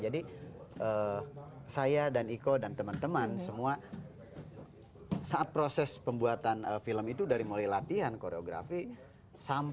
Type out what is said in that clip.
jadi saya dan iko dan teman teman semua saat proses pembuatan film itu dari mulai latihan koreografi sampai ke proses syutingnya itu itu sangat berharga